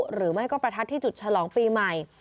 หรือไม่ก็ประทัดที่จุดฉลองปีใหม่